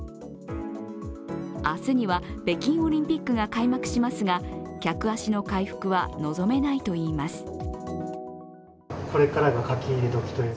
明日には北京オリンピックが開幕しますが、客足の回復は望めないといいます。